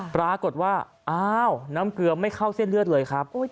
ปรากฏว่าอ้าวน้ำเกลือไม่เข้าเส้นเลือดเลยครับ